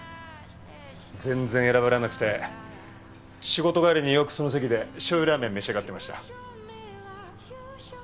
仕事帰りによくその席でしょう油ラーメン召し上がってました。